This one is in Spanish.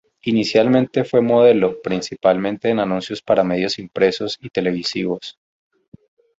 Inicialmente fue modelo, principalmente en anuncios para medios impresos y televisivos.